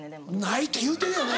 ないって言うてるよね